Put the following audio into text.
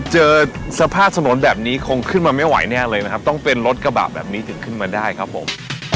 เจอสภาพถนนแบบนี้คงขึ้นมาไม่ไหวแน่เลยนะครับต้องเป็นรถกระบะแบบนี้ถึงขึ้นมาได้ครับผม